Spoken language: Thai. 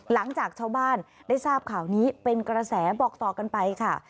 หลังจากชาวบ้านได้ทราบข่าวนี้เป็นกระแสบอกต่อกันไปค่ะ